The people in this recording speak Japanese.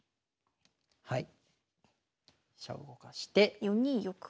はい。